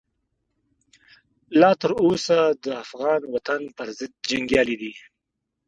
لا تر اوسه د افغان وطن پرضد جنګیالي دي.